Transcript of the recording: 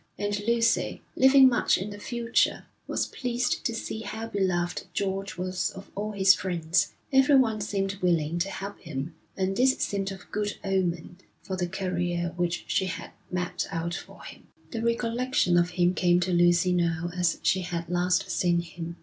And Lucy, living much in the future, was pleased to see how beloved George was of all his friends. Everyone seemed willing to help him, and this seemed of good omen for the career which she had mapped out for him. The recollection of him came to Lucy now as she had last seen him.